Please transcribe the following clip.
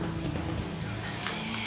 そうだね。